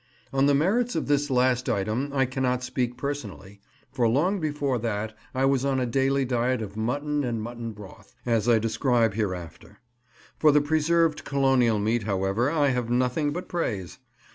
On the merits of this last item I cannot speak personally, for long before that I was on a daily diet of mutton and mutton broth, as I describe hereafter. For the preserved Colonial meat, however, I have nothing but praise.